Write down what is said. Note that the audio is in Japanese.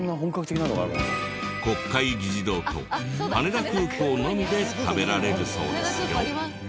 国会議事堂と羽田空港のみで食べられるそうですよ。